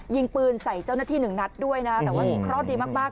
ยิงปืนใส่เจ้าหน้าที่หนึ่งนัดด้วยนะแต่ว่าเคราะห์ดีมากมาก